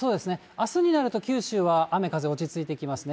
あすになると九州は雨風落ち着いてきますね。